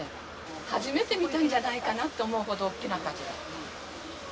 初めて見たんじゃないかなと思うほど大きな火事だったね。